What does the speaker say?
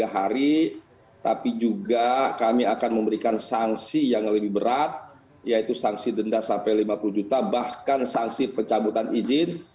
tiga hari tapi juga kami akan memberikan sanksi yang lebih berat yaitu sanksi denda sampai lima puluh juta bahkan sanksi pencabutan izin